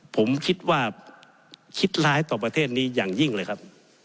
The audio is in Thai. ผมคิดว่าคิดร้ายต่อประเทศนี้อย่างยิ่งเลยครับ